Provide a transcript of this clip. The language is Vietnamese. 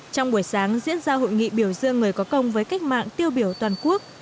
trong buổi sáng diễn ra hội nghị biểu dương người có công với cách mạng tiêu biểu toàn quốc